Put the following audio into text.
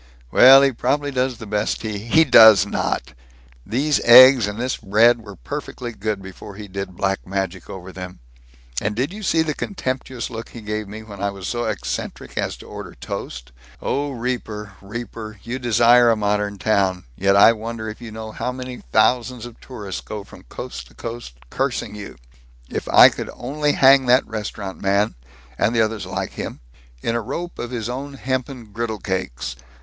"Well, he probably does the best he " "He does not! These eggs and this bread were perfectly good, before he did black magic over them. And did you see the contemptuous look he gave me when I was so eccentric as to order toast? Oh, Reaper, Reaper, you desire a modern town, yet I wonder if you know how many thousands of tourists go from coast to coast, cursing you? If I could only hang that restaurant man and the others like him in a rope of his own hempen griddle cakes!